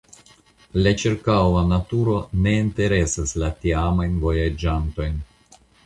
La ĉirkaŭa naturo ne interesas la tiamajn vojaĝantojn.